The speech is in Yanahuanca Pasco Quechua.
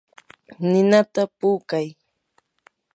ninata puukay.